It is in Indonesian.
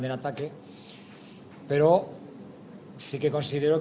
dan ini adalah tempat yang sangat baik